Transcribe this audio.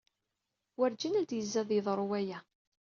Werǧin ad yezzi ad yeḍru waya.